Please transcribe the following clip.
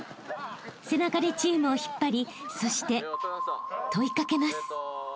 ［背中でチームを引っ張りそして問い掛けます］